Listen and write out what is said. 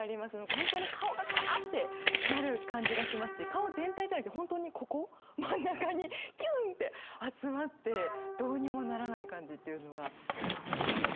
本当に顔がカアってなる感じがしますし顔全体じゃなくて本当にここ真ん中にギュンって集まってどうにもならない感じっていうのが伝わりますね。